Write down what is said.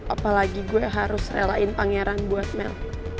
apalagi gue harus relain pangeran buat mel